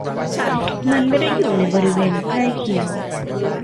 มันไม่ได้อยู่ในบริเวณใกล้เคียง